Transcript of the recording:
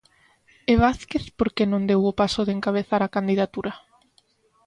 E Vázquez por que non deu o paso de encabezar a candidatura?